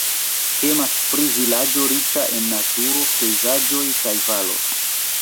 Temas pri vilaĝo riĉa en naturo, pejzaĝoj kaj valoj.